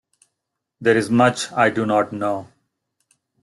There is much I do not know.